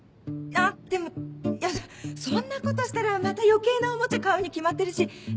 あっでもそんなことしたらまた余計なおもちゃ買うに決まってるし。